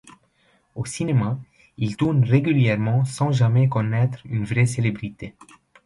Au cinéma, il tourne régulièrement sans jamais connaitre une vraie célébrité.